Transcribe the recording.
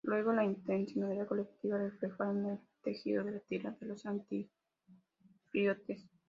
Luego, la intencionalidad colectiva "reflejada en el tejido" de la ‘tira’ de los anfitriones.